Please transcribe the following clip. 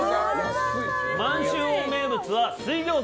満州王名物は水餃子。